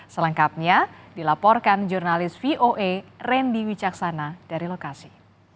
selengkapnya dilaporkan jurnalis voa randy wicaksana dari lokasi